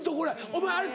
お前あれ